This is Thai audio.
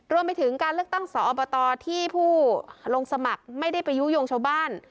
รวมไปถึงการเลือกตั้งสอบตที่ผู้ลงสมัครไม่ได้ไปยุโยงชาวบ้าน